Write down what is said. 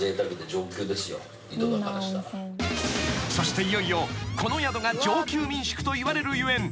［そしていよいよこの宿が上級民宿といわれるゆえん］